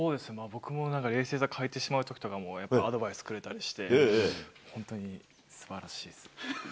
僕もなんか冷静さ欠いてしまうときとかも、やっぱりアドバイスくれたりとかして、本当にすばらしいっす。